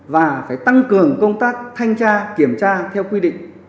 và phải tăng cường công tác thanh tra kiểm tra theo quy định